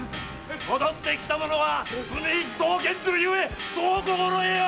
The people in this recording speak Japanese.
戻ってきた者は罪一等を減ずるゆえそう心得よ！